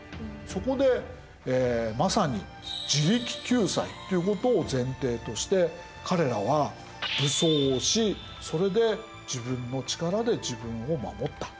そこでまさに自力救済ということを前提として彼らは武装をしそれで自分の力で自分を守った。